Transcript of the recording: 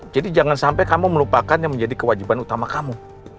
jangan sampai kamu melupakan yang menjadi kewajiban utama kamu